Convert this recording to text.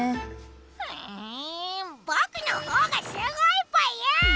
むぼくのほうがすごいぽよ！